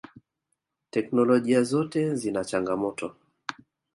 Technolojia zote zina changamoto.